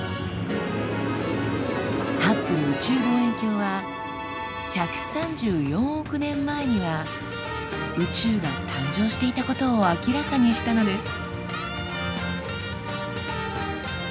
ハッブル宇宙望遠鏡は１３４億年前には宇宙が誕生していたことを明らかにしたのです。